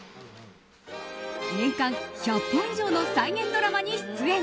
年間１００本以上の再現ドラマに出演。